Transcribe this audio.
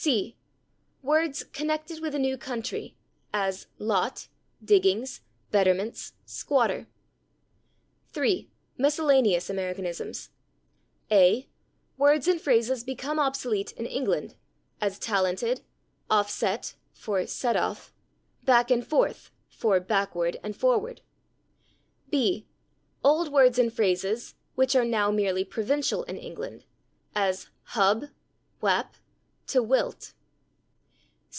c. Words "connected with a new country," as /lot/, /diggings/, /betterments/, /squatter/. 3. Miscellaneous Americanisms. a. Words and phrases become obsolete in England, as /talented/, /offset/ (for /set off/), /back and forth/ (for /backward and forward/). b. Old words and phrases "which are now merely provincial in England," as /hub/, /whap/ (?), /to wilt